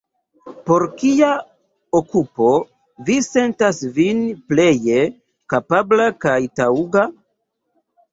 Por kia okupo vi sentas vin pleje kapabla kaj taŭga?